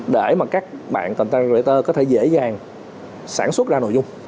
để mà các bạn content creator có thể dễ dàng sản xuất ra nội dung